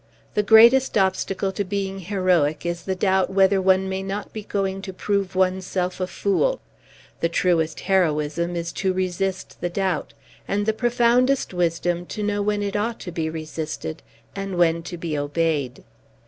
The greatest obstacle to being heroic is the doubt whether one may not be going to prove one's self a fool; the truest heroism is to resist the doubt; and the profoundest wisdom to know when it ought to be resisted, and when to be obeyed.